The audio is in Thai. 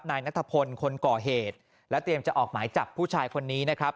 นายนัทพลคนก่อเหตุและเตรียมจะออกหมายจับผู้ชายคนนี้นะครับ